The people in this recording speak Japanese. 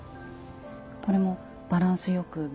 これもバランスよく。